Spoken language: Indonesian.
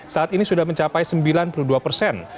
saat ini sudah mencapai sembilan puluh dua persen